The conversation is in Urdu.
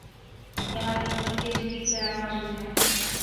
یہاںتحقیق کے جدید ذرائع موجود ہیں۔